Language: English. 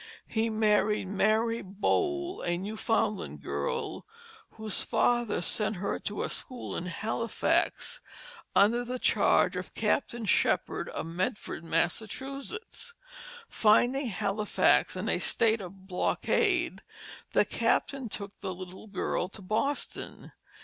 He married Mary Bole, a Newfoundland girl, whose father sent her to a school in Halifax, under the charge of Captain Shepherd of Medford, Massachusetts. Finding Halifax in a state of blockade, the captain took the little girl to Boston.